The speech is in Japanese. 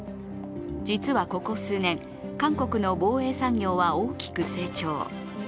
実はここ数年韓国の防衛産業は大きく成長。